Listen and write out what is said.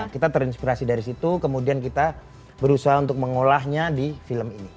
kita terinspirasi dari situ kemudian kita berusaha untuk mengolahnya di film ini